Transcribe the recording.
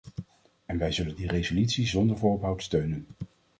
En wij zullen die resolutie zonder voorbehoud steunen.